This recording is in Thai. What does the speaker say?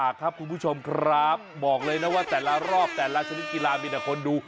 ครับบอกเลยนะว่าแต่ละรอบแต่ละชนิดกีฬามีแต่คนดู